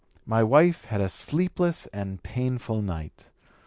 My wife had a sleepless and painful night.